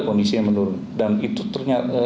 kondisinya menurun dan itu ternyata